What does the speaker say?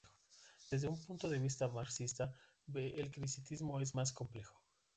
Desde un punto de vista marxista el criticismo es más complejo.